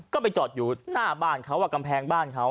ก็ไปจอดอยู่หน้าบ้านเขากำแพงบ้านเขา